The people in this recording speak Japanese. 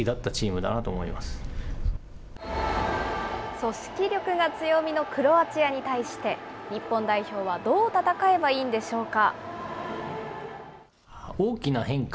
組織力が強みのクロアチアに対して、日本代表はどう戦えばいいんでしょうか。